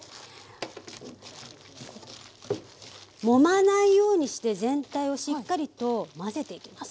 もまないようにして全体をしっかりと混ぜていきます。